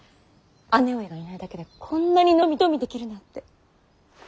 姉上がいないだけでこんなに伸び伸びできるなんて。